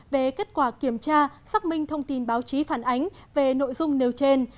về kết quả kiểm tra xác minh thông tin báo chí phản ánh về nội dung nêu trên